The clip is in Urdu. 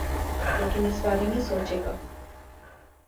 لیکن اس بارے میں سوچے گا۔